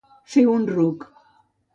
Fer un ruc.